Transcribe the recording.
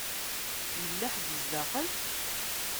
Yella ḥedd sdaxel?